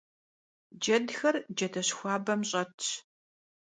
Cedxer cedeş xuabem ş'etş.